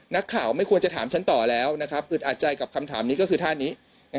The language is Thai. นักข่าวไม่ควรจะถามฉันต่อแล้วอึดอัดใจกับคำถามนี้ก็คือท่านี้